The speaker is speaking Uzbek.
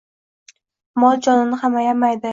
Mol-jonini ham ayamaydi.